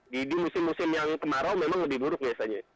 di musim musim yang kemarau memang lebih buruk biasanya